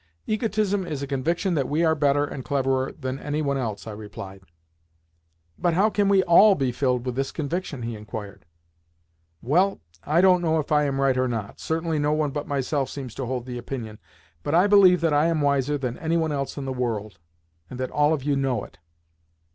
"Egotism is a conviction that we are better and cleverer than any one else," I replied. "But how can we all be filled with this conviction?" he inquired. "Well, I don't know if I am right or not—certainly no one but myself seems to hold the opinion—but I believe that I am wiser than any one else in the world, and that all of you know it."